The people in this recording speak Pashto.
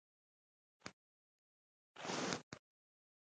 ترکیې مډالونه ګټلي